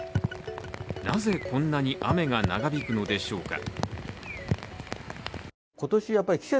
なぜこんなに雨が長引くのでしょうか。